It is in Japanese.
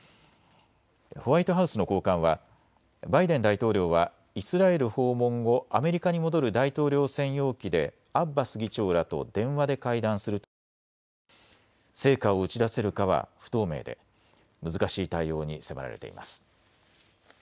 ホワイトハウスの高官はバイデン大統領はイスラエル訪問後、アメリカに戻る大統領専用機でアッバス議長らと電話で会談するとしていますが成果を打ち出せるかは不透明で難しい対応に迫られています。